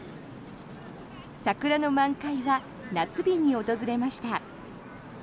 桜の満開は夏日に訪れました。